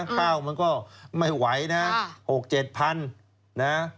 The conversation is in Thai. ข้าวมันก็ไม่ไหวนะ๖๗พันนะ